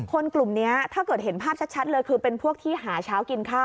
กลุ่มนี้ถ้าเกิดเห็นภาพชัดเลยคือเป็นพวกที่หาเช้ากินข้าว